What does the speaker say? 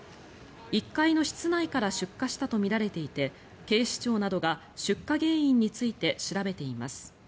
１階の室内から出火したとみられていて警視庁などが出火原因について調べています。